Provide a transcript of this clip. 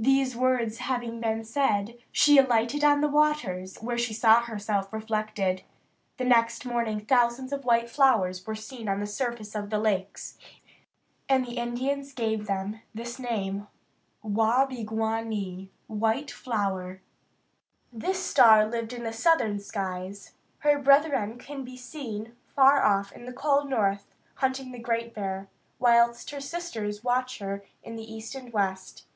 These words having been said, she alighted on the waters, where she saw herself reflected. The next morning thousands of white flowers were seen on the surface of the lakes, and the Indians gave them this name, wah be gwan nee (white flower). This star lived in the southern skies. Her brethren can be seen far off in the cold north, hunting the Great Bear, whilst her sisters watch her in the east and west.